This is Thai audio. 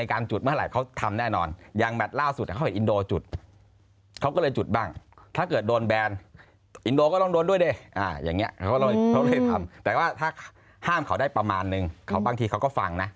เขาแบครบากฯห้ามเขาได้ประมาณหนึ่งบางทีเขาก็ฟังน่ะ